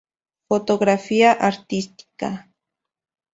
Fotografía Artística.